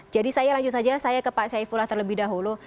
jadi saya lanjut saja saya ke pak syaifullah terlebih dahulu